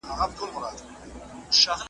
« ګیدړ چي مخ پر ښار ځغلي راغلی یې اجل دی» .